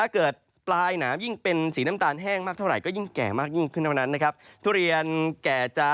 ก็แสดงว่าทุเรียนสุก